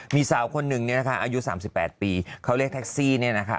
มีสาวคนหนึ่งอายุ๓๘ปีเขาเรียกแท็กซี่นี่นะคะ